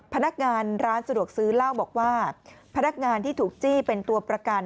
พนักงานร้านสะดวกซื้อเล่าบอกว่าพนักงานที่ถูกจี้เป็นตัวประกัน